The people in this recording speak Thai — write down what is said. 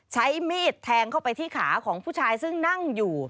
ใช้มีดแทงเข้าไปที่ขาของผู้ชายซึ่งนั่งอยู่